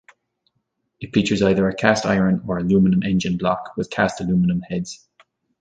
It features either a cast iron or aluminum engine block with cast aluminum heads.